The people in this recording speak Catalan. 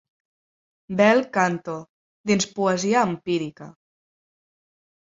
«Bel canto» dins Poesia empírica.